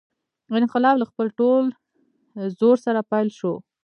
انقلاب له خپل ټول زور سره پیل شو.